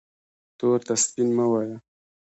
تور ته سپین مه وایه